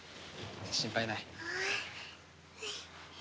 心配ない。